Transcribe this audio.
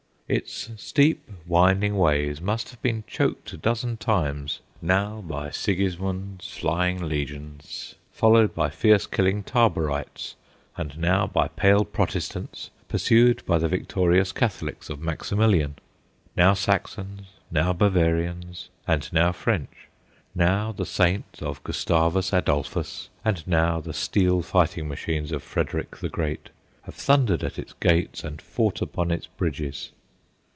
Its steep, winding ways must have been choked a dozen times, now by Sigismund's flying legions, followed by fierce killing Tarborites, and now by pale Protestants pursued by the victorious Catholics of Maximilian. Now Saxons, now Bavarians, and now French; now the saints of Gustavus Adolphus, and now the steel fighting machines of Frederick the Great, have thundered at its gates and fought upon its bridges.